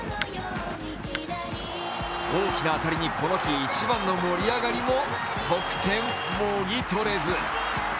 大きな当たりに、この日一番の盛り上がりも、得点もぎ取れず。